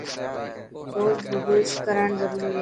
روز برش ڪرن ضروري هي.